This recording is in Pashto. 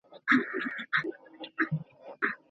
که خلګ د پارک پر چمن ونه ګرځي، نو شین فرش نه خرابیږي.